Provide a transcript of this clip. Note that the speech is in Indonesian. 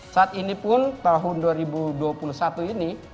saat ini pun tahun dua ribu dua puluh satu ini